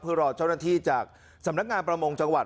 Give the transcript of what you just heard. เพื่อรอเจ้าหน้าที่จากสำนักงานประมงจังหวัด